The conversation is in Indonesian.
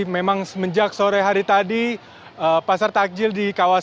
memang semenjak sore hari tadi pasar takjil di kawasan